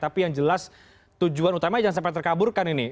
tapi yang jelas tujuan utamanya jangan sampai terkaburkan ini